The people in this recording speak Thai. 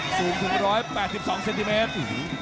สูงถึง๑๘๒เซนติเมตร